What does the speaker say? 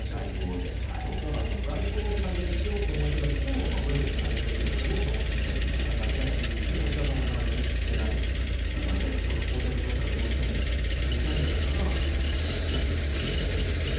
そう、だからこの外交で解決しようと思う人たちと武力で解決できるだろうと思ってる人たちの戦いでこちら側もなかなか一歩引けない中でこのこう着状態はどうしても続いちゃうんじゃないかなって思っちゃいますね。